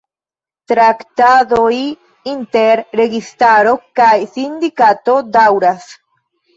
Traktadoj inter registaro kaj sindikato daŭras.